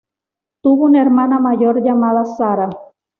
Tuvo una hermana mayor llamada Sara.